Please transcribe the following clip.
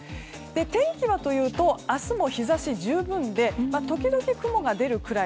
天気はというと明日も日差し十分で時々、雲が出るくらい。